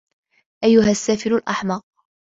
أيّها السّافل الأحمق!